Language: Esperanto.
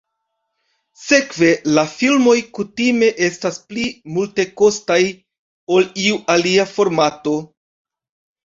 Sekve, la filmoj kutime estas pli multekostaj ol iu alia formato.